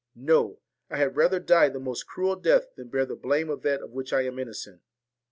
No ; I had rather die the most cruel death than bear the blame of that of which I am innocent.'